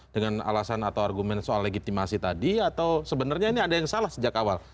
dengan alasan atau argumen soal legitimasi tadi atau sebenarnya ini ada yang salah sejak awal